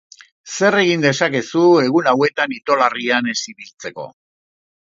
Zer egin dezakezu egun hauetan itolarrian ez ibiltzeko?